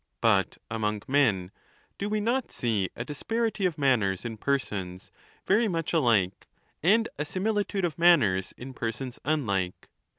But among men, do we not see a disparity of manners in persons very much alike, and a similitude of manners in persons unlike?